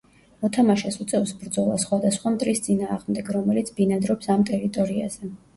მოთამაშეს უწევს ბრძოლა სხვადასხვა მტრის წინააღმდეგ, რომელიც ბინადრობს ამ ტერიტორიაზე.